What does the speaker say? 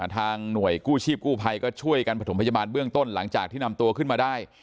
หน่วยกู้ชีพกู้ภัยก็ช่วยกันประถมพยาบาลเบื้องต้นหลังจากที่นำตัวขึ้นมาได้